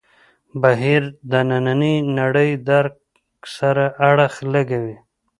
بهیر نننۍ نړۍ درک سره اړخ لګوي.